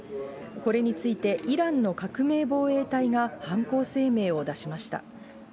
これについて、イランの革命防衛隊が犯行声明を出しました。